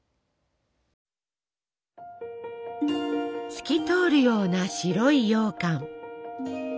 透き通るような白いようかん。